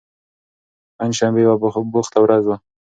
پنجشنبه یوه بوخته ورځ وه.